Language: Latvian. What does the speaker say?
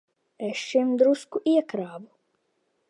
Es šim drusku iekrāvu.